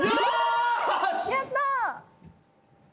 やった。